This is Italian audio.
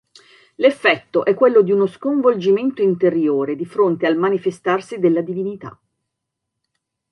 L'effetto è quello di uno sconvolgimento interiore di fronte al manifestarsi della divinità.